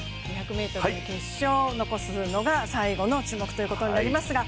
２００ｍの決勝を残すのが最後の注目ということになりますが、